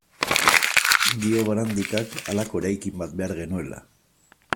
Dio Barandikak, halako eraikin bat behar genuela.